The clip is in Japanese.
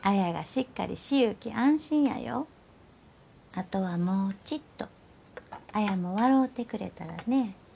あとはもうちっと綾も笑うてくれたらね。